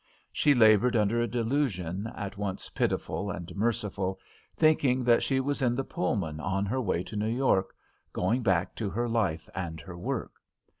She laboured under a delusion at once pitiful and merciful, thinking that she was in the Pullman on her way to New York, going back to her life and her work.